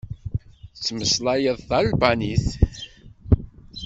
Tettmeslayeḍ talbanit?